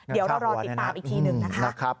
เดี๋ยวเรารอติดตามอีกทีหนึ่งนะคะ